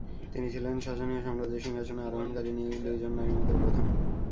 তিনি ছিলেন সাসানীয় সাম্রাজ্যের সিংহাসনে আরোহণকারিণী দুইজন নারীর মধ্যে প্রথম।